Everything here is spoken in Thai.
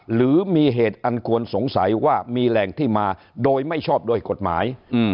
หรือมีเหตุอันควรสงสัยว่ามีแหล่งที่มาโดยไม่ชอบด้วยกฎหมาย